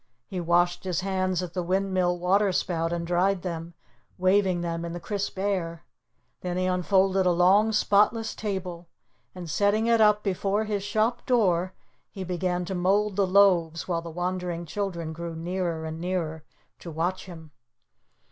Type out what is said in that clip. He washed his hands at the windmill water spout and dried them, waving them in the crisp air. Then he unfolded a long, spotless table, and setting it up before his shop door, he began to mold the loaves, while the wondering children grew nearer and nearer to watch him.